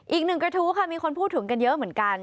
อีกหนึ่งกระทู้ค่ะมีคนพูดถึงกันเยอะเหมือนกัน